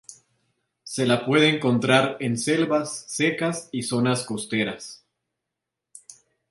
Se la puede encontrar en selvas secas y zonas costeras.